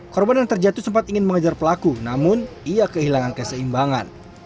korban yang terjatuh sempat ingin mengejar pelaku namun ia kehilangan keseimbangan